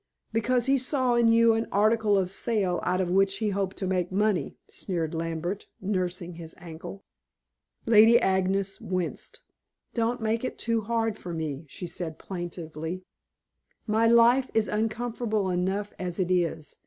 Because he saw in you an article of sale out of which he hoped to make money," sneered Lambert, nursing his ankle. Lady Agnes winced. "Don't make it too hard for me," she said plaintively. "My life is uncomfortable enough as it is.